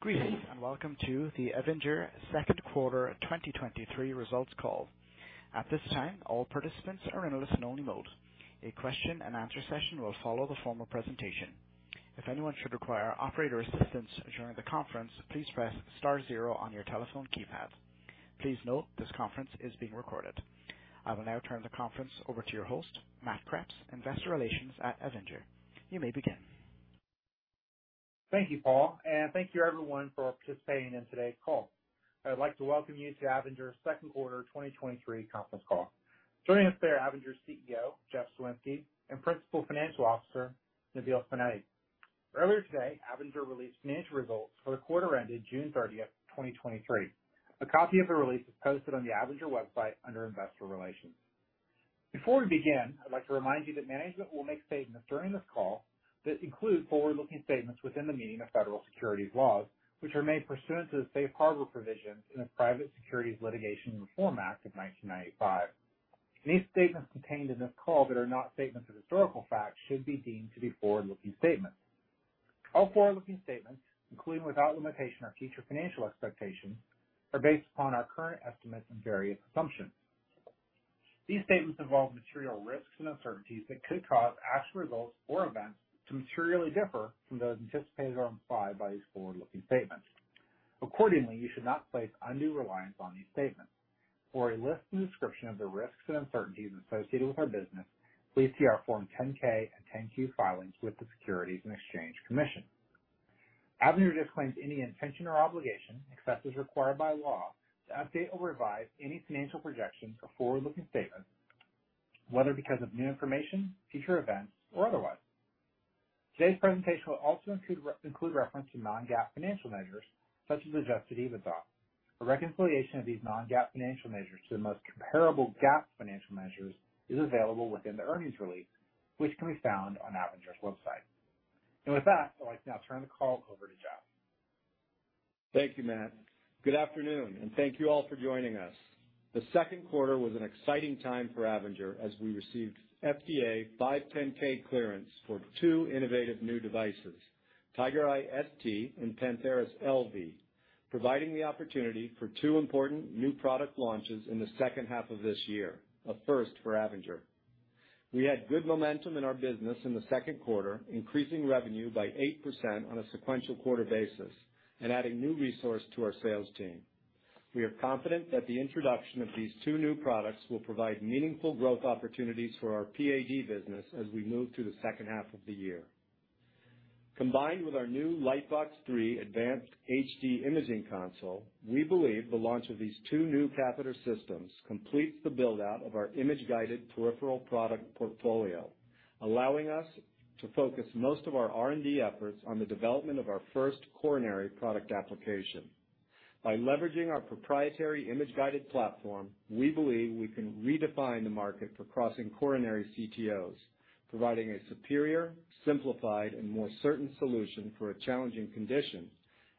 Greetings, and welcome to the Avinger Q2 2023 Results Call. At this time, all participants are in a listen-only mode. A question-and-answer session will follow the formal presentation. If anyone should require operator assistance during the conference, please press star zero on your telephone keypad. Please note, this conference is being recorded. I will now turn the conference over to your host, Matt Kreps, Investor Relations at Avinger. You may begin. Thank you, Paul, and thank you, everyone, for participating in today's call. I'd like to welcome you to Avinger's Q2 2023 conference call. Joining us today are Avinger's CEO, Jeff Soinski, and Principal Financial Officer, Nabeel Subainati. Earlier today, Avinger released financial results for the quarter ended June 30th, 2023. A copy of the release is posted on the Avinger website under Investor Relations. Before we begin, I'd like to remind you that management will make statements during this call that include forward-looking statements within the meaning of federal securities laws, which are made pursuant to the Safe Harbor Provisions in the Private Securities Litigation Reform Act of 1995. Any statements contained in this call that are not statements of historical fact should be deemed to be forward-looking statements. All forward-looking statements, including without limitation, our future financial expectations, are based upon our current estimates and various assumptions. These statements involve material risks and uncertainties that could cause actual results or events to materially differ from those anticipated or implied by these forward-looking statements. Accordingly, you should not place undue reliance on these statements. For a list and description of the risks and uncertainties associated with our business, please see our Form 10-K and 10-Q filings with the Securities and Exchange Commission. Avinger disclaims any intention or obligation, except as required by law, to update or revise any financial projections or forward-looking statements, whether because of new information, future events, or otherwise. Today's presentation will also include re-include reference to non-GAAP financial measures, such as adjusted EBITDA. A reconciliation of these non-GAAP financial measures to the most comparable GAAP financial measures is available within the earnings release, which can be found on Avinger's website. With that, I'd like to now turn the call over to Jeff. Thank you, Matt. Good afternoon, thank you all for joining us. The Q2 was an exciting time for Avinger as we received FDA 510(k) clearance for 2 innovative new devices, Tigereye ST and Pantheris LV, providing the opportunity for 2 important new product launches in the second half of this year, a first for Avinger. We had good momentum in our business in the Q2, increasing revenue by 8% on a sequential quarter basis and adding new resource to our sales team. We are confident that the introduction of these 2 new products will provide meaningful growth opportunities for our PAD business as we move to the second half of the year. Combined with our new Lightbox 3 advanced HD imaging console, we believe the launch of these two new catheter systems completes the build-out of our image-guided peripheral product portfolio, allowing us to focus most of our R&D efforts on the development of our first coronary product application. By leveraging our proprietary image-guided platform, we believe we can redefine the market for crossing coronary CTOs, providing a superior, simplified, and more certain solution for a challenging condition,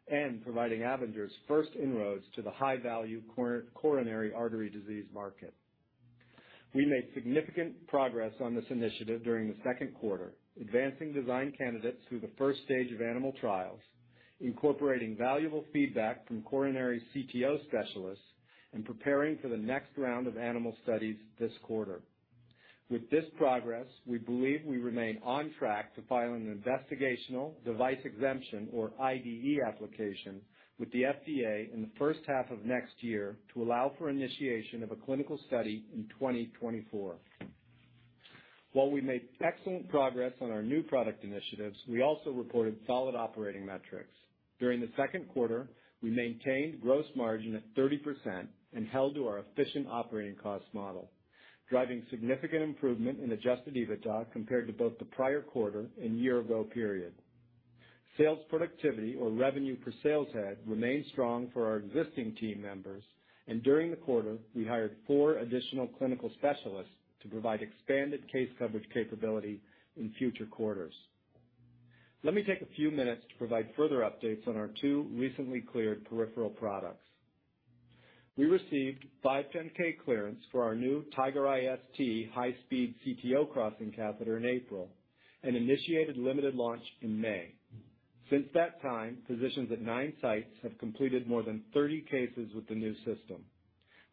and providing Avinger's first inroads to the high-value coronary artery disease market. We made significant progress on this initiative during the Q2, advancing design candidates through the first stage of animal trials, incorporating valuable feedback from coronary CTO specialists, and preparing for the next round of animal studies this quarter. With this progress, we believe we remain on track to file an investigational device exemption, or IDE application, with the FDA in the first half of next year to allow for initiation of a clinical study in 2024. While we made excellent progress on our new product initiatives, we also reported solid operating metrics. During the Q2, we maintained gross margin of 30% and held to our efficient operating cost model, driving significant improvement in Adjusted EBITDA compared to both the prior quarter and year-ago period. Sales productivity, or revenue per sales head, remained strong for our existing team members, and during the quarter, we hired four additional clinical specialists to provide expanded case coverage capability in future quarters. Let me take a few minutes to provide further updates on our two recently cleared peripheral products. We received 510(k) clearance for our new Tigereye ST high-speed CTO crossing catheter in April and initiated limited launch in May. Since that time, physicians at 9 sites have completed more than 30 cases with the new system.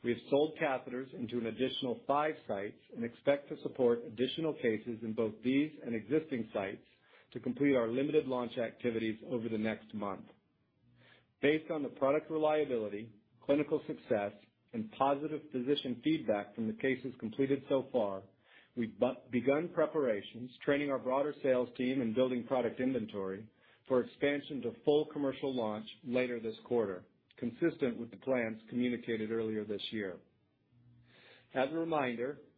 We have sold catheters into an additional 5 sites and expect to support additional cases in both these and existing sites to complete our limited launch activities over the next month. Based on the product reliability, clinical success, and positive physician feedback from the cases completed so far, we've begun preparations, training our broader sales team and building product inventory for expansion to full commercial launch later this quarter, consistent with the plans communicated earlier this year.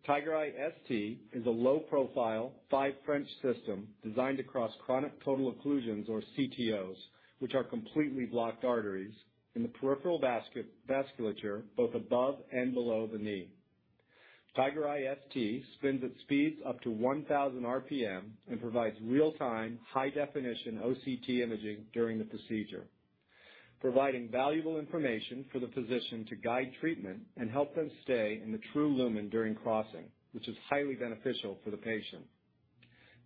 As a reminder, Tigereye ST is a low-profile, 5 French system designed to cross chronic total occlusions, or CTOs, which are completely blocked arteries in the peripheral vasculature, both above and below the knee. Tigereye ST spins at speeds up to 1,000 RPM and provides real-time, high-definition OCT imaging during the procedure, providing valuable information for the physician to guide treatment and help them stay in the true lumen during crossing, which is highly beneficial for the patient.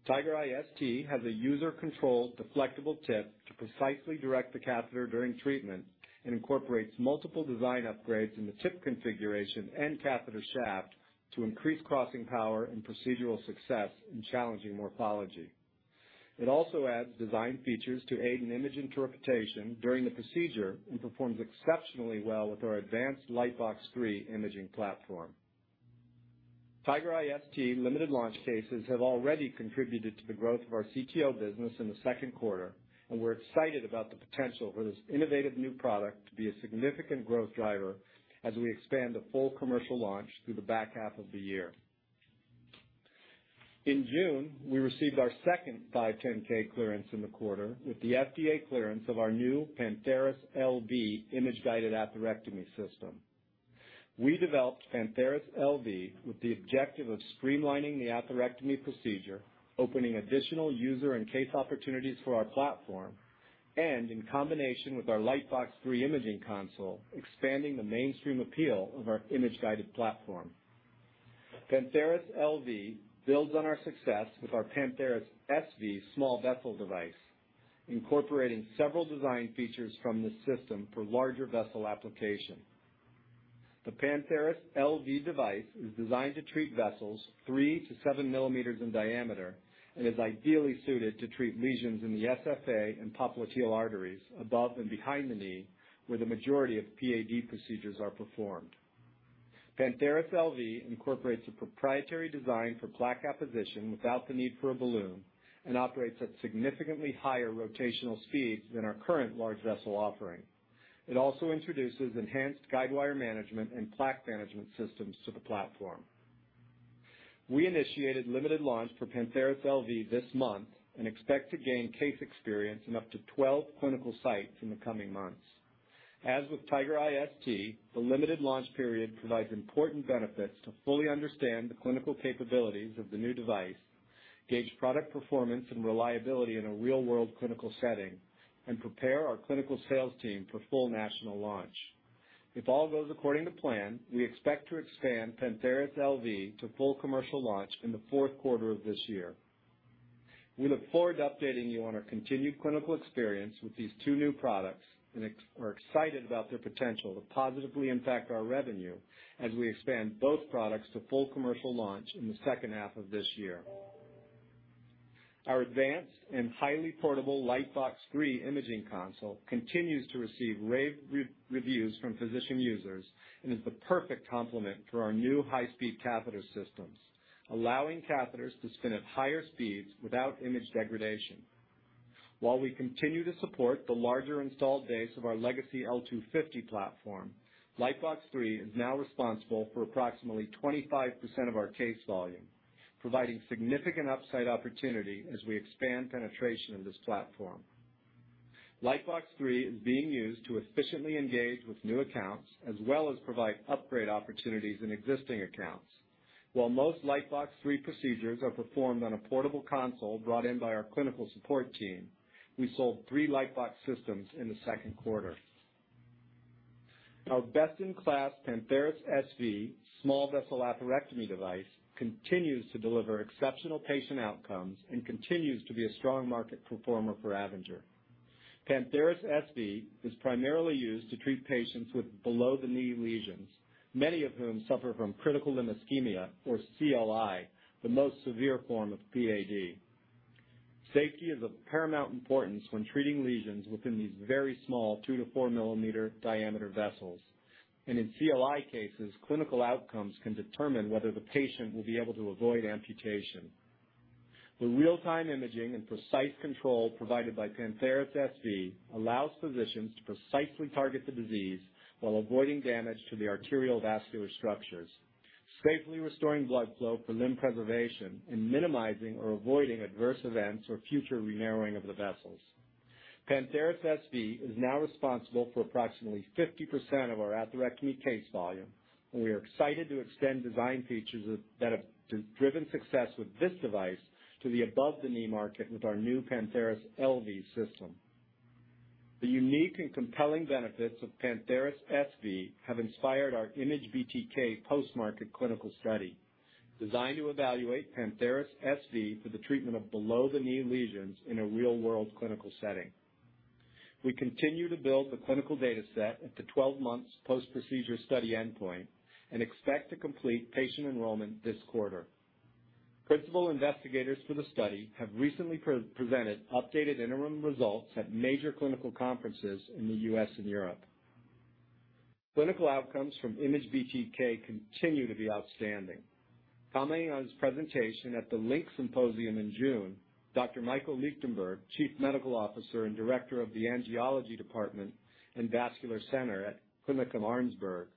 Tigereye ST has a user-controlled deflectable tip to precisely direct the catheter during treatment and incorporates multiple design upgrades in the tip configuration and catheter shaft to increase crossing power and procedural success in challenging morphology. It also adds design features to aid in image interpretation during the procedure and performs exceptionally well with our advanced Lightbox 3 imaging platform. Tigereye ST limited launch cases have already contributed to the growth of our CTO business in the Q2, and we're excited about the potential for this innovative new product to be a significant growth driver as we expand the full commercial launch through the back half of the year. In June, we received our second 510(k) clearance in the quarter with the FDA clearance of our new Pantheris LV image-guided atherectomy system. We developed Pantheris LV with the objective of streamlining the atherectomy procedure, opening additional user and case opportunities for our platform, and in combination with our Lightbox 3 imaging console, expanding the mainstream appeal of our image-guided platform. Pantheris LV builds on our success with our Pantheris SV small vessel device, incorporating several design features from this system for larger vessel application. The Pantheris LV device is designed to treat vessels 3 to 7 millimeter in diameter and is ideally suited to treat lesions in the SFA and popliteal arteries above and behind the knee, where the majority of PAD procedures are performed. Pantheris LV incorporates a proprietary design for plaque apposition without the need for a balloon and operates at significantly higher rotational speeds than our current large vessel offering. It also introduces enhanced guide wire management and plaque management systems to the platform. We initiated limited launch for Pantheris LV this month and expect to gain case experience in up to 12 clinical sites in the coming months. As with Tigereye ST, the limited launch period provides important benefits to fully understand the clinical capabilities of the new device, gauge product performance and reliability in a real-world clinical setting, and prepare our clinical sales team for full national launch. If all goes according to plan, we expect to expand Pantheris LV to full commercial launch in the Q4 of this year. We look forward to updating you on our continued clinical experience with these two new products and we're excited about their potential to positively impact our revenue as we expand both products to full commercial launch in the second half of this year. Our advanced and highly portable Lightbox 3 imaging console continues to receive rave re-reviews from physician users and is the perfect complement for our new high-speed catheter systems, allowing catheters to spin at higher speeds without image degradation. While we continue to support the larger installed base of our legacy L250 platform, Lightbox 3 is now responsible for approximately 25% of our case volume, providing significant upside opportunity as we expand penetration of this platform. Lightbox 3 is being used to efficiently engage with new accounts as well as provide upgrade opportunities in existing accounts. While most Lightbox 3 procedures are performed on a portable console brought in by our clinical support team, we sold three Lightbox systems in the Q2. Our best-in-class Pantheris SV small vessel atherectomy device continues to deliver exceptional patient outcomes and continues to be a strong market performer for Avinger. Pantheris SV is primarily used to treat patients with below-the-knee lesions, many of whom suffer from critical limb ischemia, or CLI, the most severe form of PAD. Safety is of paramount importance when treating lesions within these very small 2 to 4 millimeter diameter vessels. In CLI cases, clinical outcomes can determine whether the patient will be able to avoid amputation. The real-time imaging and precise control provided by Pantheris SV allows physicians to precisely target the disease while avoiding damage to the arterial vascular structures, safely restoring blood flow for limb preservation and minimizing or avoiding adverse events or future re-narrowing of the vessels. Pantheris SV is now responsible for approximately 50% of our atherectomy case volume, and we are excited to extend design features that have driven success with this device to the above-the-knee market with our new Pantheris LV system. The unique and compelling benefits of Pantheris SV have inspired our IMAGE-BTK post-market clinical study, designed to evaluate Pantheris SV for the treatment of below-the-knee lesions in a real-world clinical setting. We continue to build the clinical data set at the 12 months post-procedure study endpoint and expect to complete patient enrollment this quarter. Principal investigators for the study have recently presented updated interim results at major clinical conferences in the U.S. and Europe. Clinical outcomes from IMAGE-BTK continue to be outstanding. Commenting on his presentation at the LINC Symposium in June, Dr. Michael Lichtenberg, Chief Medical Officer and Director of the Angiology Department and Vascular Center at Klinikum Arnsberg,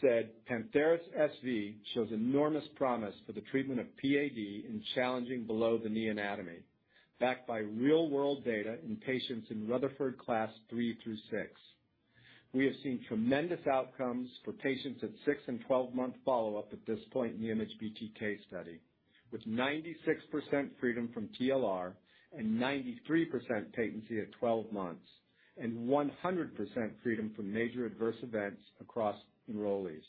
said, "Pantheris SV shows enormous promise for the treatment of PAD in challenging below-the-knee anatomy, backed by real-world data in patients in Rutherford Class 3 through 6. We have seen tremendous outcomes for patients at 6 and 12-month follow-up at this point in the IMAGE-BTK study, with 96% freedom from TLR and 93% patency at 12 months and 100% freedom from major adverse events across enrollees."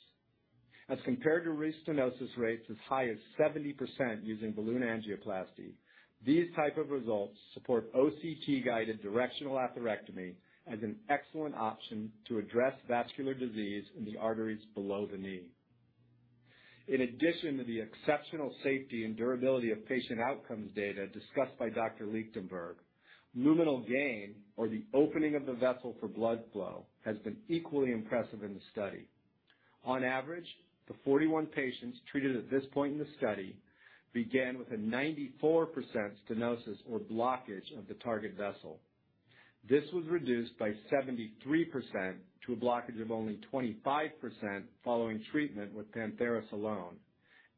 as compared to restenosis rates as high as 70% using balloon angioplasty. These type of results support OCT-guided directional atherectomy as an excellent option to address vascular disease in the arteries below the knee. In addition to the exceptional safety and durability of patient outcomes data discussed by Dr. Lichtenberg, luminal gain, or the opening of the vessel for blood flow, has been equally impressive in the study. On average, the 41 patients treated at this point in the study began with a 94% stenosis or blockage of the target vessel. This was reduced by 73% to a blockage of only 25% following treatment with Pantheris alone,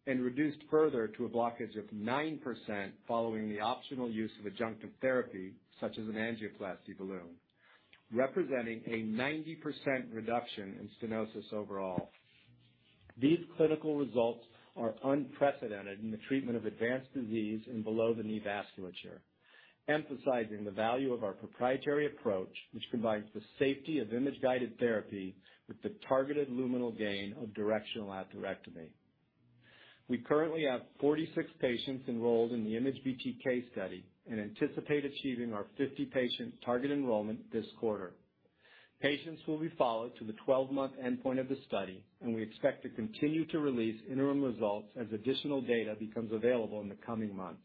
and reduced further to a blockage of 9% following the optional use of adjunctive therapy, such as an angioplasty balloon, representing a 90% reduction in stenosis overall. These clinical results are unprecedented in the treatment of advanced disease in below-the-knee vasculature, emphasizing the value of our proprietary approach, which provides the safety of image-guided therapy with the targeted luminal gain of directional atherectomy. We currently have 46 patients enrolled in the IMAGE-BTK study and anticipate achieving our 50 patients target enrollment this quarter. Patients will be followed to the 12-month endpoint of the study, and we expect to continue to release interim results as additional data becomes available in the coming months.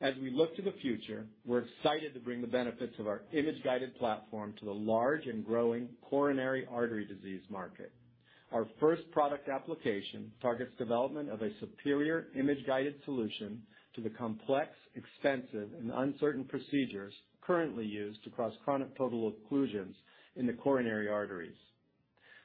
As we look to the future, we're excited to bring the benefits of our image-guided platform to the large and growing coronary artery disease market. Our first product application targets development of a superior image-guided solution to the complex, extensive, and uncertain procedures currently used to cross chronic total occlusions in the coronary arteries.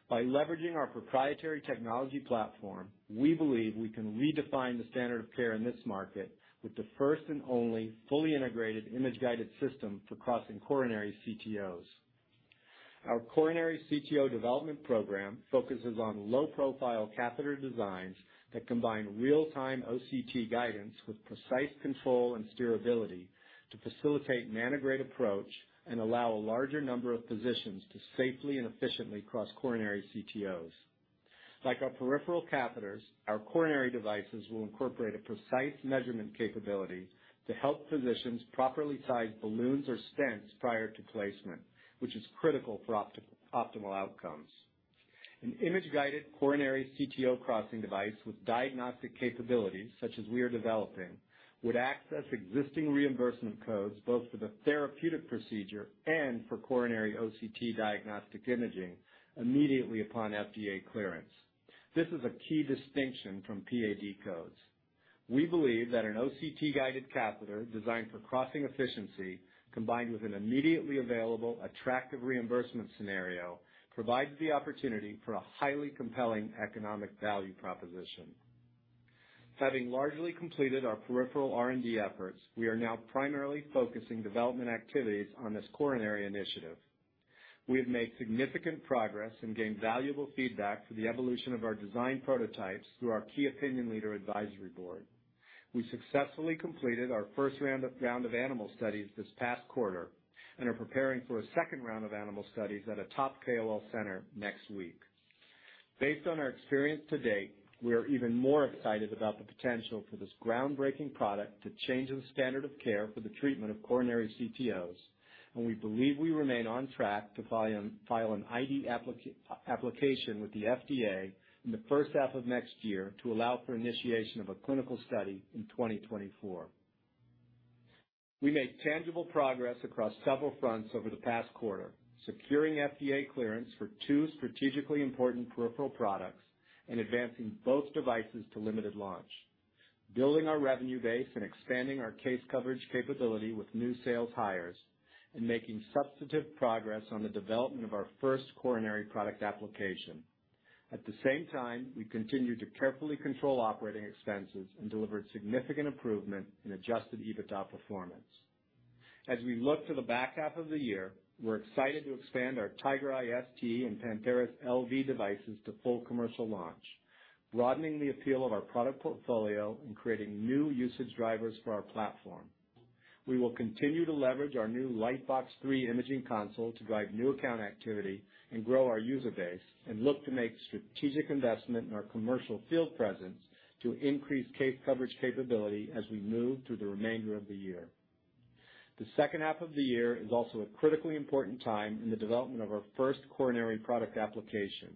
By leveraging our proprietary technology platform, we believe we can redefine the standard of care in this market with the first and only fully integrated image-guided system for crossing coronary CTOs. Our coronary CTO development program focuses on low-profile catheter designs that combine real-time OCT guidance with precise control and steerability to facilitate antegrade approach and allow a larger number of physicians to safely and efficiently cross coronary CTOs. Like our peripheral catheters, our coronary devices will incorporate a precise measurement capability to help physicians properly size balloons or stents prior to placement, which is critical for optimal outcomes. An image-guided coronary CTO crossing device with diagnostic capabilities, such as we are developing, would access existing reimbursement codes, both for the therapeutic procedure and for coronary OCT diagnostic imaging, immediately upon FDA clearance. This is a key distinction from PAD codes. We believe that an OCT guided catheter designed for crossing efficiency, combined with an immediately available, attractive reimbursement scenario, provides the opportunity for a highly compelling economic value proposition. Having largely completed our peripheral R&D efforts, we are now primarily focusing development activities on this coronary initiative. We have made significant progress and gained valuable feedback for the evolution of our design prototypes through our key opinion leader advisory board. We successfully completed our first round of animal studies this past quarter and are preparing for a second round of animal studies at a top KOL center next week. Based on our experience to date, we are even more excited about the potential for this groundbreaking product to change the standard of care for the treatment of coronary CTOs, and we believe we remain on track to file an IDE application with the FDA in the first half of 2024 to allow for initiation of a clinical study in 2024. We made tangible progress across several fronts over the past quarter, securing FDA clearance for 2 strategically important peripheral products and advancing both devices to limited launch, building our revenue base and expanding our case coverage capability with new sales hires, and making substantive progress on the development of our first coronary product application. At the same time, we continued to carefully control operating expenses and delivered significant improvement in Adjusted EBITDA performance. As we look to the back half of the year, we're excited to expand our Tigereye ST and Pantheris LV devices to full commercial launch, broadening the appeal of our product portfolio and creating new usage drivers for our platform. We will continue to leverage our new Lightbox 3 imaging console to drive new account activity and grow our user base and look to make strategic investment in our commercial field presence to increase case coverage capability as we move through the remainder of the year. The second half of the year is also a critically important time in the development of our first coronary product application.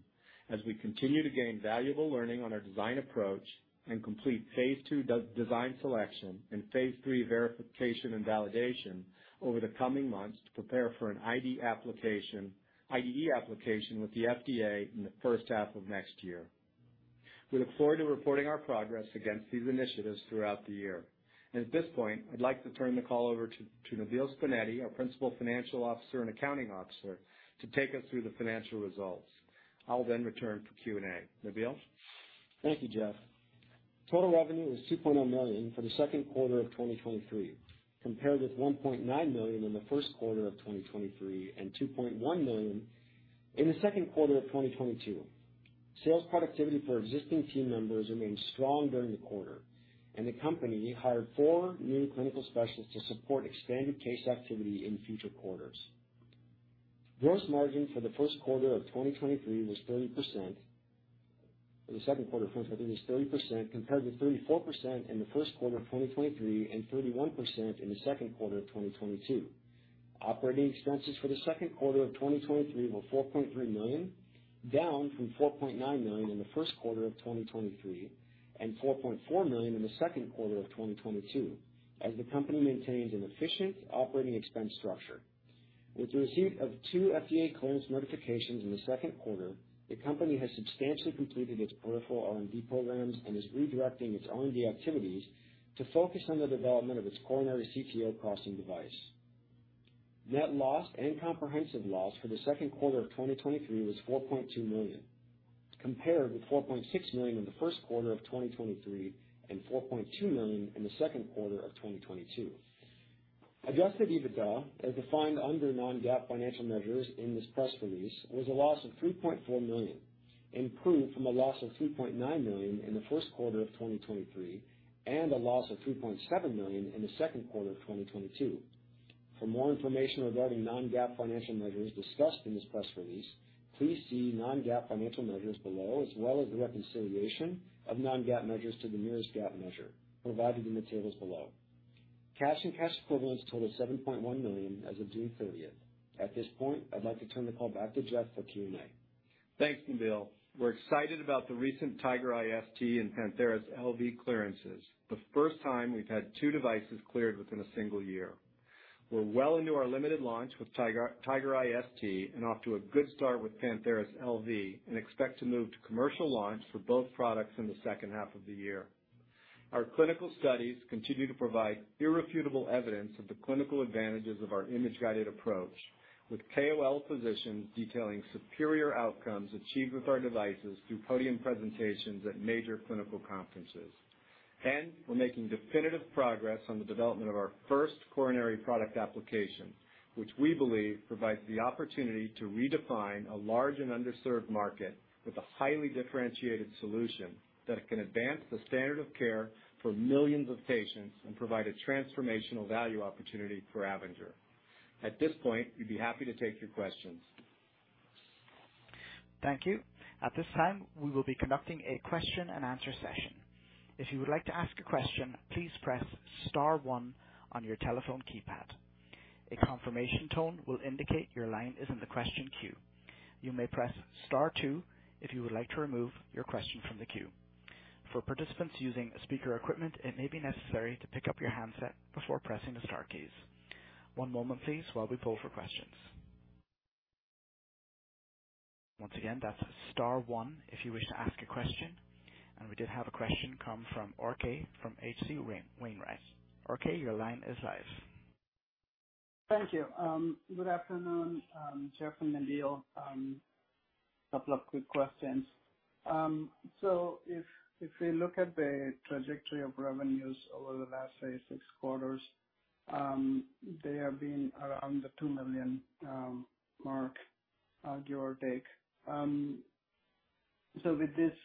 As we continue to gain valuable learning on our design approach and complete phase II design selection and phase III verification and validation over the coming months to prepare for an IDE application, IDE application with the FDA in the first half of next year. We look forward to reporting our progress against these initiatives throughout the year. At this point, I'd like to turn the call over to Nabeel Subainati, our Principal Financial Officer and Accounting Officer, to take us through the financial results. I'll then return for Q&A. Nabeel? Thank you, Jeff. Total revenue was $2.0 million for the Q2 of 2023, compared with $1.9 million in the Q1 of 2023 and $2.1 million in the Q2 of 2022. Sales productivity for existing team members remained strong during the quarter, and the company hired four new clinical specialists to support expanded case activity in future quarters. Gross margin for the Q1 of 2023 was 30%. The Q2, first, I think it was 30%, compared with 34% in the Q1 of 2023 and 31% in the Q2 of 2022. Operating expenses for the Q2 of 2023 were $4.3 million, down from $4.9 million in the Q1 of 2023 and $4.4 million in the Q2 of 2022, as the company maintains an efficient operating expense structure. With the receipt of 2 FDA clearance notifications in the Q2, the company has substantially completed its peripheral R&D programs and is redirecting its R&D activities to focus on the development of its coronary CTO crossing device. Net loss and comprehensive loss for the Q2 of 2023 was $4.2 million, compared with $4.6 million in the Q1 of 2023 and $4.2 million in the Q2 of 2022. Adjusted EBITDA, as defined under non-GAAP financial measures in this press release, was a loss of $3.4 million, improved from a loss of $3.9 million in the Q1 of 2023 and a loss of $3.7 million in the Q2 of 2022. For more information regarding non-GAAP financial measures discussed in this press release, please see non-GAAP financial measures below, as well as the reconciliation of non-GAAP measures to the nearest GAAP measure provided in the tables below. Cash and cash equivalents totaled $7.1 million as of June 30th. At this point, I'd like to turn the call back to Jeff for Q&A. Thanks, Nabeel. We're excited about the recent Tigereye ST and Pantheris LV clearances, the 1st time we've had 2 devices cleared within a single year. We're well into our limited launch with Tigereye ST and off to a good start with Pantheris LV and expect to move to commercial launch for both products in the 2nd half of the year. Our clinical studies continue to provide irrefutable evidence of the clinical advantages of our image-guided approach, with KOL physicians detailing superior outcomes achieved with our devices through podium presentations at major clinical conferences. We're making definitive progress on the development of our 1st coronary product application, which we believe provides the opportunity to redefine a large and underserved market with a highly differentiated solution that can advance the standard of care for millions of patients and provide a transformational value opportunity for Avinger. At this point, we'd be happy to take your questions. Thank you. At this time, we will be conducting a question and answer session. If you would like to ask a question, please press star one on your telephone keypad. A confirmation tone will indicate your line is in the question queue. You may press star two if you would like to remove your question from the queue. For participants using speaker equipment, it may be necessary to pick up your handset before pressing the star keys. One moment, please, while we pull for questions. Once again, that's star one if you wish to ask a question. We did have a question come from RK from H.C. Wainwright. RK, your line is live. Thank you. Good afternoon, Jeff and Nabeel. A couple of quick questions. If, if we look at the trajectory of revenues over the last, say, 6 quarters, they have been around the 2 million mark, give or take. With these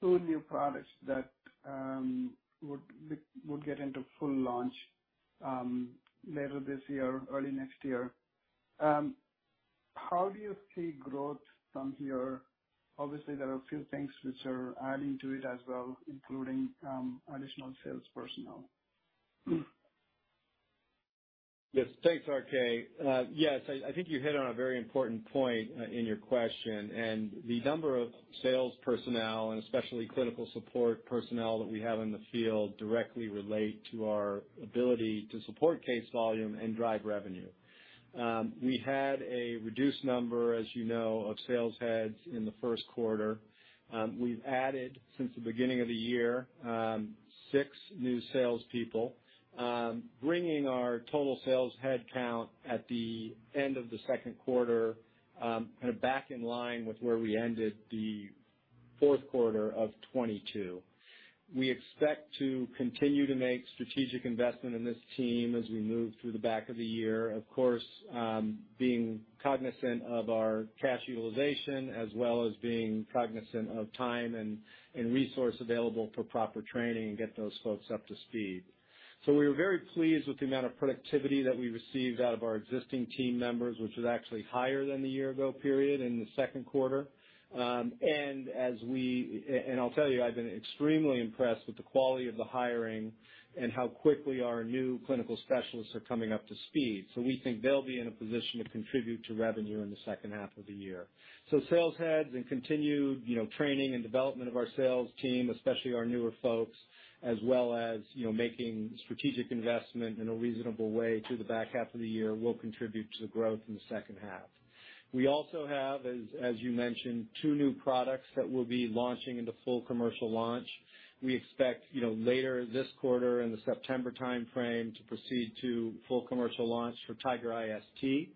2 new products that would get into full launch later this year, early next year, how do you see growth from here? Obviously, there are a few things which are adding to it as well, including additional sales personnel. Yes, thanks, RK. Yes, I, I think you hit on a very important point in your question. The number of sales personnel, and especially clinical support personnel that we have in the field, directly relate to our ability to support case volume and drive revenue. We had a reduced number, as you know, of sales heads in the Q1. We've added, since the beginning of the year, 6 new sales people, bringing our total sales headcount at the end of the Q2, kind of back in line with where we ended the Q4 of 2022. We expect to continue to make strategic investment in this team as we move through the back of the year. Of course, being cognizant of our cash utilization as well as being cognizant of time and resource available for proper training and get those folks up to speed. We were very pleased with the amount of productivity that we received out of our existing team members, which was actually higher than the year ago period in the Q2. As I'll tell you, I've been extremely impressed with the quality of the hiring and how quickly our new clinical specialists are coming up to speed. We think they'll be in a position to contribute to revenue in the second half of the year. Sales heads and continued, you know, training and development of our sales team, especially our newer folks, as well as, you know, making strategic investment in a reasonable way through the back half of the year will contribute to the growth in the second half. We also have, as, as you mentioned, two new products that we'll be launching into full commercial launch. We expect, you know, later this quarter, in the September timeframe, to proceed to full commercial launch for Tigereye ST.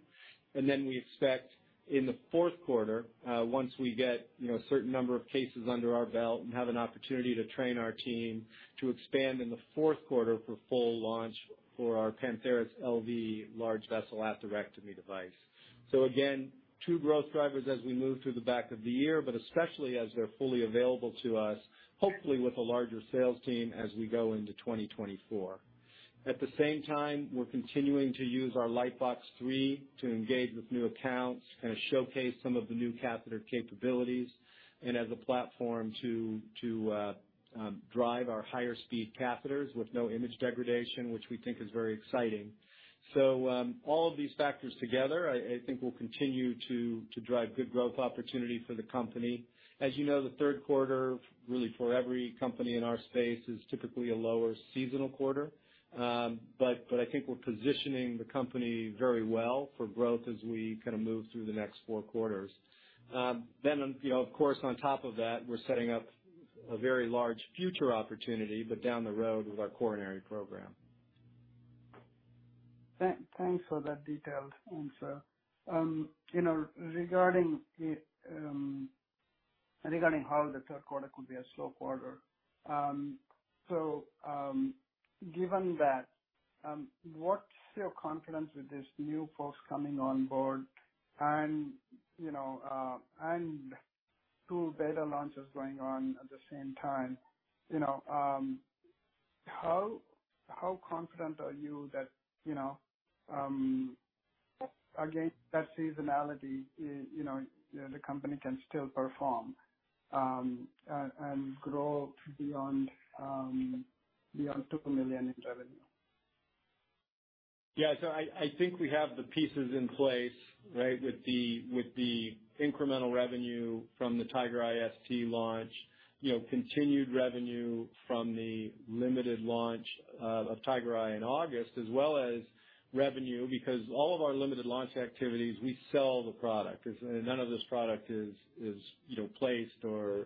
Then we expect in the Q4, once we get, you know, a certain number of cases under our belt and have an opportunity to train our team, to expand in the Q4 for full launch for our Pantheris LV large vessel atherectomy device. Again, two growth drivers as we move through the back of the year, but especially as they're fully available to us, hopefully with a larger sales team as we go into 2024. At the same time, we're continuing to use our Lightbox 3 to engage with new accounts, kind of showcase some of the new catheter capabilities and as a platform to drive our higher speed catheters with no image degradation, which we think is very exciting. All of these factors together, I think will continue to drive good growth opportunity for the company. As you know, the Q3, really, for every company in our space, is typically a lower seasonal quarter, but I think we're positioning the company very well for growth as we kind of move through the next 4 quarters. You know, of course, on top of that, we're setting up a very large future opportunity, but down the road with our coronary program. Thanks for that detailed answer. You know, regarding the, regarding how the Q3 could be a slow quarter. Given that, what's your confidence with this new folks coming on board and, you know, and two beta launches going on at the same time, you know, how, how confident are you that, you know, against that seasonality, you know, the company can still perform, and, and grow beyond, beyond $2 million in revenue? Yeah. I think we have the pieces in place, right? With the incremental revenue from the Tigereye ST launch, you know, continued revenue from the limited launch of Tigereye in August, as well as revenue, because all of our limited launch activities, we sell the product. None of this product is, you know, placed or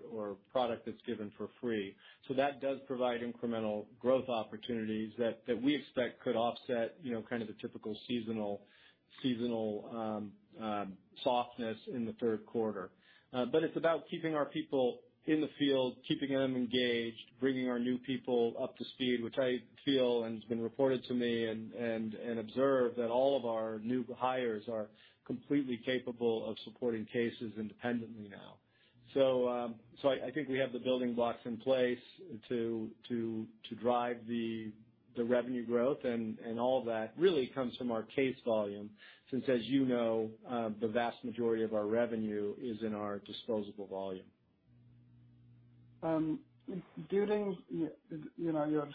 product that's given for free. That does provide incremental growth opportunities that we expect could offset, you know, kind of the typical seasonal softness in the Q3, but it's about keeping our people in the field, keeping them engaged, bringing our new people up to speed, which I feel and has been reported to me and observed, that all of our new hires are completely capable of supporting cases independently now. I think we have the building blocks in place, to drive the, the revenue growth. All that really comes from our case volume. Since, as you know, the vast majority of our revenue is in our disposable volume. During, you know, your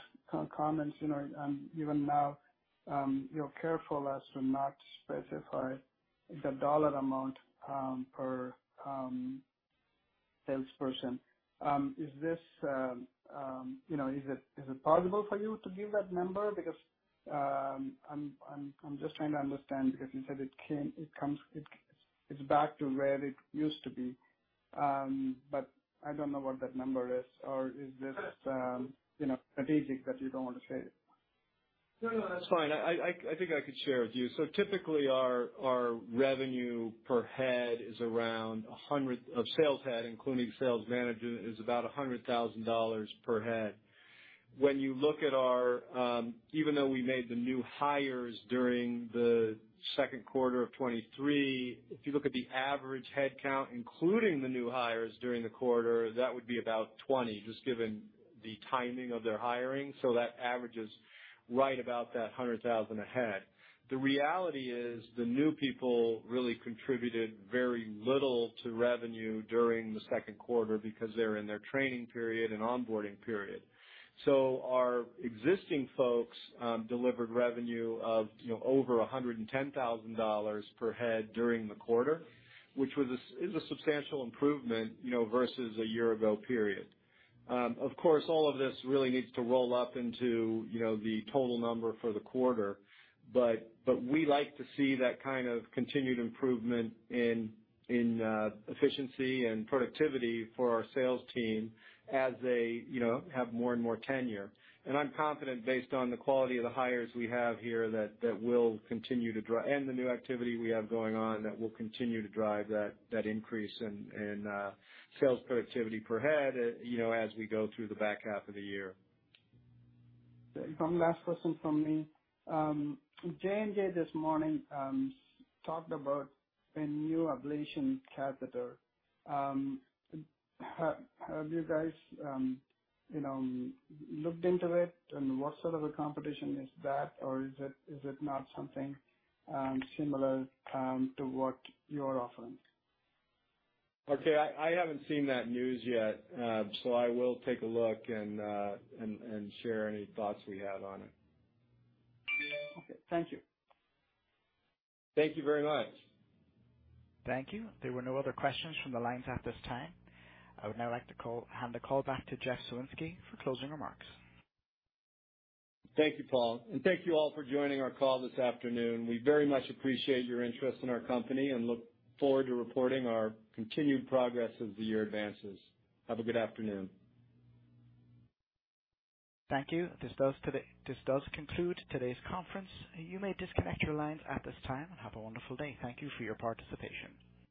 comments, you know, and even now, you're careful as to not specify the dollar amount per salesperson. Is this, you know, is it, is it possible for you to give that number? I'm just trying to understand, because you said it comes, it's back to where it used to be. I don't know what that number is, or is this, you know, strategic, that you don't want to share it? No, no, that's fine, I think I could share with you. Typically, our, our revenue per head of sales head, including sales manager, is about $100,000 per head. When you look at our, even though we made the new hires during the Q2 of 2023, if you look at the average headcount, including the new hires during the quarter, that would be about 20, just given the timing of their hiring, so that averages right about that $100,000 a head. The reality is, the new people really contributed very little to revenue during the Q2 because they're in their training period and onboarding period. Our existing folks, delivered revenue of, you know, over $110,000 per head during the quarter, which is a substantial improvement, you know, versus a year-ago period. Of course, all of this really needs to roll up into, you know, the total number for the quarter, but we like to see that kind of continued improvement in, in efficiency and productivity for our sales team as they, you know, have more and more tenure. I'm confident, based on the quality of the hires we have here, that that will continue to drive and the new activity we have going on, that will continue to drive that, that increase in, in sales productivity per head, you know, as we go through the back half of the year. One last question from me. JNJ, this morning, talked about a new ablation catheter. Have you guys, you know, looked into it? What sort of a competition is that? Is it not something, similar, to what you're offering? Okay. I, I haven't seen that news yet, so I will take a look and share any thoughts we have on it. Okay. Thank you. Thank you very much. Thank you. There were no other questions from the lines at this time. I would now like to hand the call back to Jeff Soinski for closing remarks. Thank you, Paul, and thank you all for joining our call this afternoon. We very much appreciate your interest in our company and look forward to reporting our continued progress as the year advances. Have a good afternoon. Thank you. This does conclude today's conference. You may disconnect your lines at this time. Have a wonderful day. Thank you for your participation.